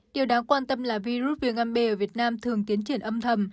điều đáng quan tâm là virus viêm ngăn bê ở việt nam thường tiến triển âm thầm